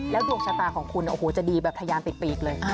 ดวงชะตาของคุณโอ้โหจะดีแบบทะยานติดปีกเลย